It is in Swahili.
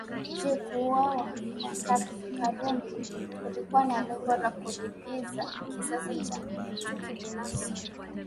Je kuuawa kwa Karume kulikuwa na lengo la kulipiza kisasi kwa chuki binafsi